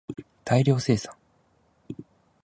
大量生産